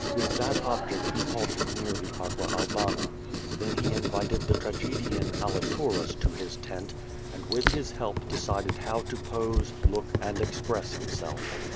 With that object he halted near the Aqua Albana. Then he in vited the tragedian Aliturus to his tent, and with his help de cided how to pose, look, and express himself.